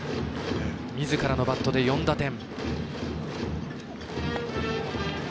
みずからのバットで４打点。